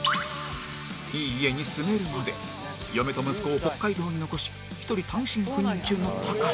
いい家に住めるまで嫁と息子を北海道に残し１人単身赴任中のタカシ